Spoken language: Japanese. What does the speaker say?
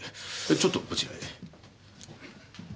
ちょっとこちらへ。